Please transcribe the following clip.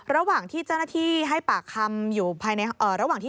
ระหว่างที่เจ้าหน้าที่ให้ปากคำอยู่ภายใน